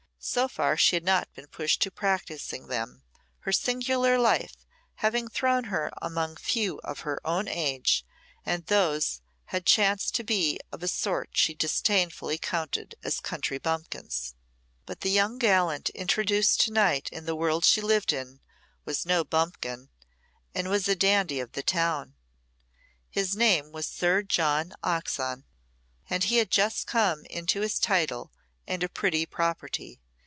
So far she had not been pushed to practising them, her singular life having thrown her among few of her own age, and those had chanced to be of a sort she disdainfully counted as country bumpkins. But the young gallant introduced to night into the world she lived in was no bumpkin, and was a dandy of the town. His name was Sir John Oxon, and he had just come into his title and a pretty property.